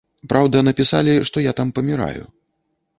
Праўда, напісалі, што я там паміраю.